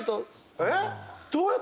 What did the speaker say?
えっ！？